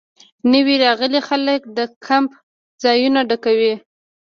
نوي راغلي خلک د کیمپ ځایونه ډکوي